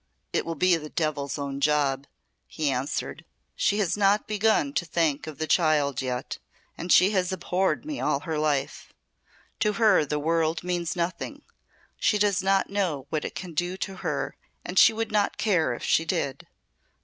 It will be the devil's own job," he answered. "She has not begun to think of the child yet and she has abhorred me all her life. To her the world means nothing. She does not know what it can do to her and she would not care if she did.